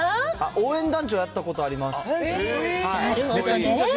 応援団長やったことあります。